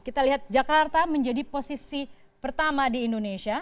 kita lihat jakarta menjadi posisi pertama di indonesia